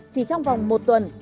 chỉ trong vòng một tuần